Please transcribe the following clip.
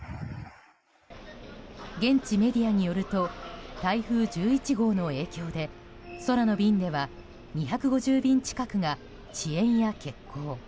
現地メディアによると台風１１号の影響で空の便では２５０便近くが遅延や欠航。